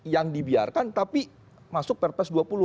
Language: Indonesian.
yang dibiarkan tapi masuk perpres dua puluh